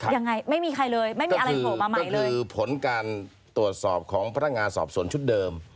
ยังไงไม่มีใครเลยไม่มีอะไรโผล่มาใหม่เลยคือผลการตรวจสอบของพนักงานสอบสวนชุดเดิม